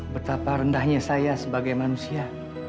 betapa rendahnya saya sebagai manusia